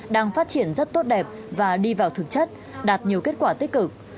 đang phát triển rất tốt đẹp và đi vào thực chất đạt nhiều kết quả tích cực